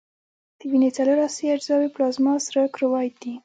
د وینې څلور اساسي اجزاوي پلازما، سره کرویات دي.